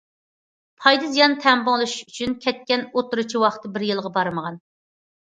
پايدا- زىيان تەڭپۇڭلىشىش ئۈچۈن كەتكەن ئوتتۇرىچە ۋاقتى بىر يىلغا بارمىغان.